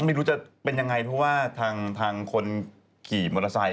ไม่รู้จะเป็นยังไงเพราะว่าทางคนขี่มอเตอร์ไซค